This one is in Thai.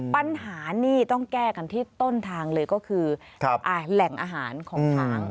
ปัญหานี่ต้องแก้กันที่ต้นทางเลยก็คือแหล่งอาหารของช้าง